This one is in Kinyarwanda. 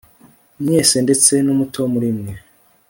mwese ndetse numuto muri mwe